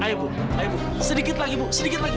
ayo ibu sedikit lagi ibu sedikit lagi